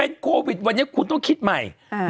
โควิดวันนี้คุณต้องคิดใหม่